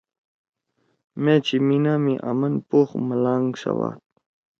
مأ چھی مینہ می آمن پوخ ملانگ سواد